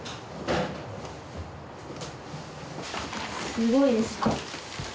すごいですね。